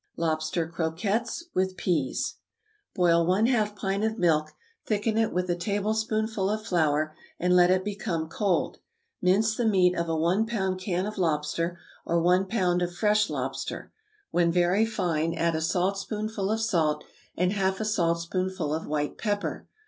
=Lobster Croquettes, with Pease.= Boil one half pint of milk, thicken it with a tablespoonful of flour, and let it become cold. Mince the meat of a one pound can of lobster, or one pound of fresh lobster; when very fine, add a saltspoonful of salt and half a saltspoonful of white pepper.